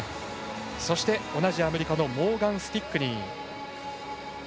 同じアメリカのモーガン・スティックニー。